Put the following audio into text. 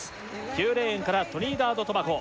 ９レーンからトリニダード・トバゴ